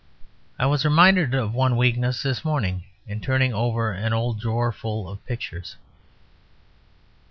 I was reminded of one weakness this morning in turning over an old drawerful of pictures.